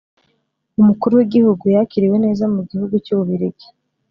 Umukuru w’igihugu yakiriwe neza mu gihugu cy’ububiligi